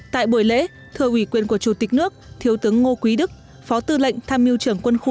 tại buổi lễ thưa ủy quyền của chủ tịch nước thiếu tướng ngô quý đức phó tư lệnh tham mưu trưởng quân khu